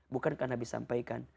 bukan karena nabi sampaikan